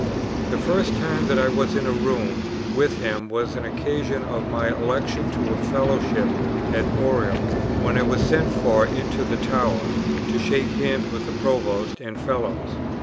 The first time that I was in a room with him was on occasion of my election to a fellowship at Oriel, when I was sent for into the Tower, to shake hands with the Provost and Fellows.